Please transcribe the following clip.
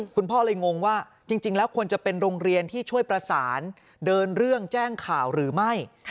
คุณพ่อเลยงงว่าจริงแล้วควรจะเป็นโรงเรียนที่ช่วยประสานเดินเรื่องแจ้งข่าวหรือไม่